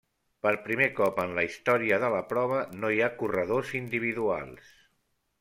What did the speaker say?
Per primer cop en la història de la prova no hi ha corredors individuals.